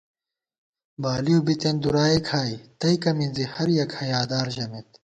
بالِؤ بِتېن دُرائے کھائی تئیکہ مِنزِی ہر یَک حیادار ژَمېت